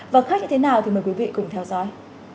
và khách như thế nào thì mời quý vị cùng theo dõi